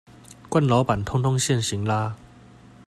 慣老闆通通現形啦